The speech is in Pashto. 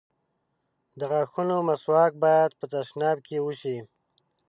د غاښونو مسواک بايد په تشناب کې وشي.